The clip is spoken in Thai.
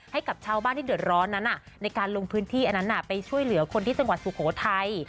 ให้กับชาวบ้านที่เดือดร้อนนั้นในการลงพื้นที่อันนั้นไปช่วยเหลือคนที่จังหวัดสุโขทัย